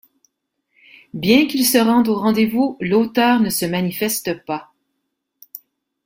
Bien qu'il se rende au rendez-vous, l'auteur ne se manifeste pas.